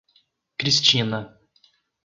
Cristina